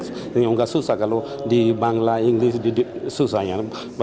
ini enggak susah kalau di bangla inggris susah ya